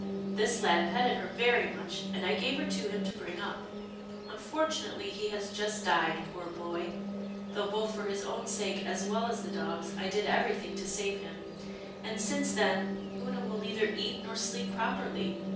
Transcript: This lad petted her very much, and I gave her to him to bring up. Un fortunately, he has just died, poor boy, though both for his own sake, as well as the dog's, I did every thing to save him, and since then, Oonah will neither eat nor sleep properly.